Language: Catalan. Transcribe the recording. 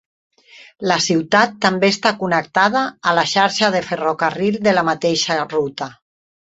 La ciutat també està connectada a la xarxa de ferrocarril de la mateixa ruta.